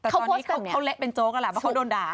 แต่ตอนนี้เขาเละเป็นโจ๊กแล้วแหละเพราะเขาโดนด่า